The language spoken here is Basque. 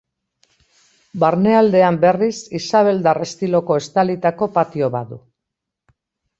Barnealdean, berriz, isabeldar estiloko estalitako patio bat du.